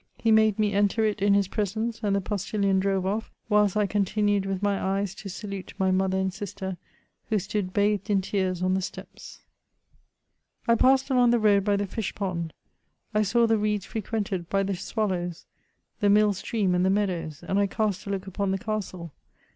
He made me enter it in his presence, and the postilion drove off, whilst I continued with my eyes to salute my mother and sister, who stood bathed in tears on the steps. VOL. I. li 146 MEMOIRS OF I passed along the road by the fish pond ; I saw the reeds frequented by the swallows — ^the mill stream and the mea dows ; and I cast a look upon the castle.